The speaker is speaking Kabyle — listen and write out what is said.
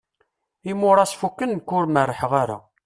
Imuras fukken nekk ur merḥeɣ ara.